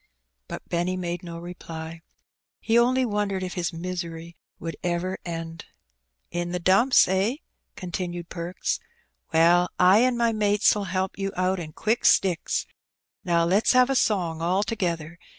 '^ But Benny made no reply. He only wondered if his misery would ever end. "In the dumps, eh?^^ continued Perks. "Well, I an* my mates '11 help you out in quick sticks: now lefs have a A Terrible Alternative. 171 song all together.